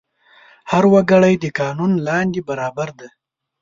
هر وګړی د قانون لاندې برابر دی.